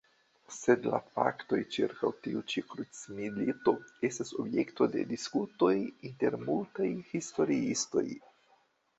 Sed la faktoj ĉirkaŭ tiu ĉi krucmilito estas objekto de diskutoj inter multaj historiistoj.